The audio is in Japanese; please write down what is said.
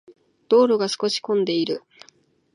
道路が少し混んでいる。